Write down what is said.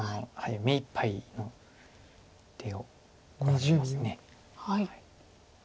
目いっぱいの手をこられます。